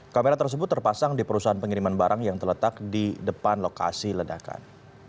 kamera tersebut terpasang di perusahaan pengiriman barang yang terletak di depan lokasi ledakan